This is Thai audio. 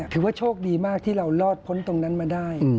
ถือว่าโชคดีมากที่เรารอดพ้นตรงนั้นมาได้